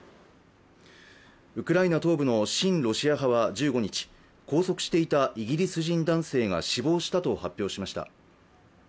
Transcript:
ウクライナ東部の親ロシア派は１５日、拘束していたイギリス人男性が死亡したと発表しました。